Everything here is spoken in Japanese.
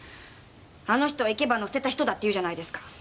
あの人は生け花を捨てた人だっていうじゃないですか。